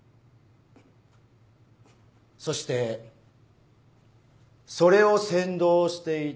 そしてそれを先導していたのは。